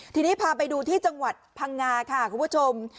ทีนี้พาไปดูที่จังหวัดพังงาค่ะคุณผู้ชม